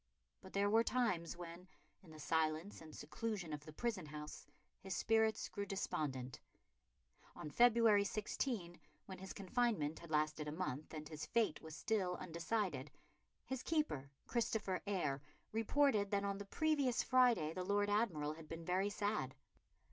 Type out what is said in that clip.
But there were times when, in the silence and seclusion of the prison house, his spirits grew despondent. On February 16, when his confinement had lasted a month, and his fate was still undecided, his keeper, Christopher Eyre, reported that on the previous Friday the Lord Admiral had been very sad.